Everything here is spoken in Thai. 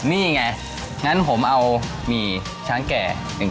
นี่ไงงั้นผมเอาหมี่ช้างแก่